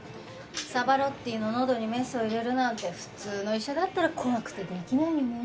サバロッティののどにメスを入れるなんて普通の医者だったら怖くて出来ないよね。